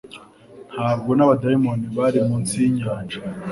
ntabwo n'abadayimoni bari munsi y'inyanja